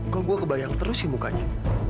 kok gue kebayang terus sih mukanya